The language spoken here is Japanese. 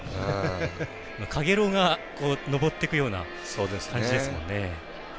かげろうが上っていくような感じですからね。